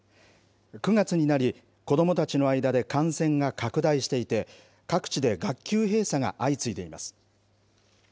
９月になり、子どもたちの間で感染が拡大していて、各地で学級閉鎖が相次いでいます。